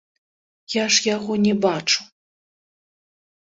Я ж яго не бачу.